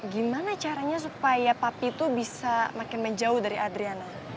gimana caranya supaya papi itu bisa makin menjauh dari adriana